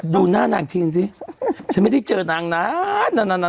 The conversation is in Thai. ดูหน้านางทิ้งสิฉันไม่ได้เจอนางนะ